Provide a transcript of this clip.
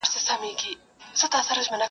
چي پر پامیر مي خپل بیرغ بیا رپېدلی نه دی -